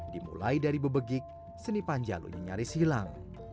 dimulai dari bebegik seni panjalu ini nyaris hilang